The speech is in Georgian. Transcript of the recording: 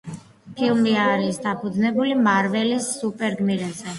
ფილმი არის დაფუძნებული მარველის სუპერგმირებზე.